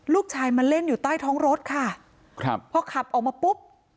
ลูกชายมาเล่นอยู่ใต้ท้องรถค่ะครับพอขับออกมาปุ๊บ